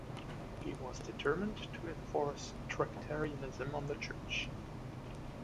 He was determined to enforce Tractarianism on the Church.